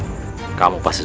masud datanganku di mas peking